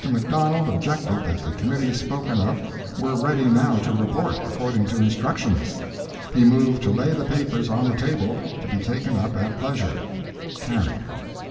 McDonald objected that the Committee spoken of were ready now to report, according to instructions. He moved to lay the papers on the table, to be taken up at pleasure. Carried.